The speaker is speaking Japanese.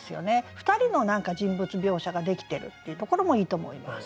２人の人物描写ができてるっていうところもいいと思います。